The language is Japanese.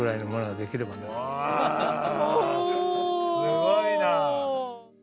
すごいな。